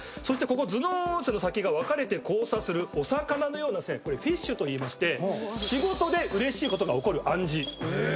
そしてここ頭脳線の先が分かれて交差するお魚のような線これフィッシュといいまして仕事でうれしいことが起こる暗示。